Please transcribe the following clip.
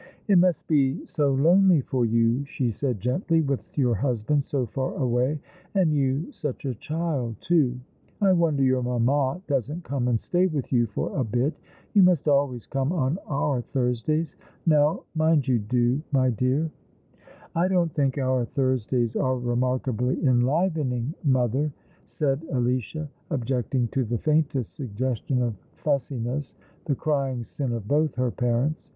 "It must be so lonely for you," she said gently, "with your husband so far away, and you such a child, too. I wonder your mamma doesn't come and stay with you for a bit. You must always come on our Thursdays. Kow mind you do, my dear." ^' Oh Moment One and Infinite T' 41 " I don't think our Thursdays aro remarkably enlivening, mother," said Alicia, objecting to the faintest suggestion of fussiness, the crying sin of both her parents.